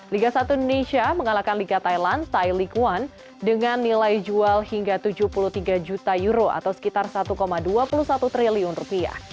liga satu indonesia mengalahkan liga thailand thai likuan dengan nilai jual hingga tujuh puluh tiga juta euro atau sekitar satu dua puluh satu triliun rupiah